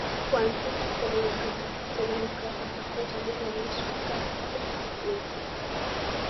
kuanzisha chama cha Demokratiki Katika uchaguzi wa Urais wa mwaka elfu moja mia tisa